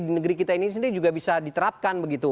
di negeri kita ini sendiri juga bisa diterapkan begitu